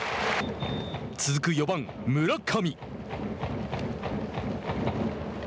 続く４番村上。